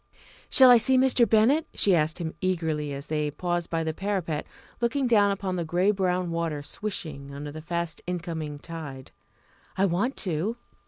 "Shall I see Mr. Bennett?" she asked him eagerly, as they paused by the parapet, looking down upon the grey brown water swishing under the fast incoming tide. "I want to."